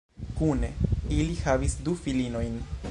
Kune ili havis du filinojn.